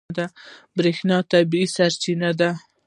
برېښنا طبیعي سرچینه ده.